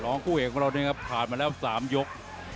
คู่เอกของเรานี่ครับผ่านมาแล้ว๓ยก